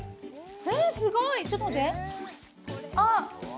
えっすごいちょっと待ってあっ私